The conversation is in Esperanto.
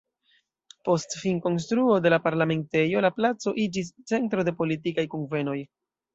Post finkonstruo de la Parlamentejo la placo iĝis centro de politikaj kunvenoj.